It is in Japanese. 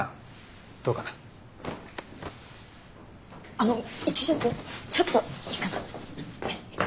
あの一条くんちょっといいかな。